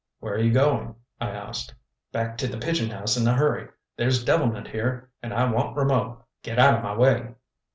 "Where are you going?" I asked. "Back to the pigeon house in a hurry. There's devilment here, and I want Rameau. Git out o' my way!"